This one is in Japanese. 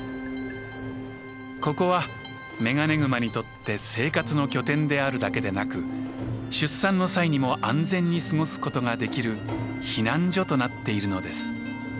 ここはメガネグマにとって生活の拠点であるだけでなく出産の際にも安全に過ごすことができる避難所となっているのです。